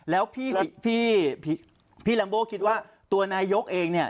แล้วพี่ลัมโบคิดว่าตัวนายกเองเนี่ย